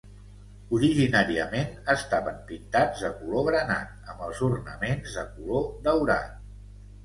Originàriament estaven pintats de color granat amb els ornaments de color daurat.